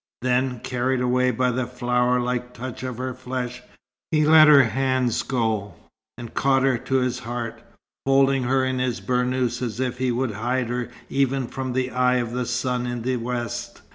Then, carried away by the flower like touch of her flesh, he let her hands go, and caught her to his heart, folding her in his burnous as if he would hide her even from the eye of the sun in the west.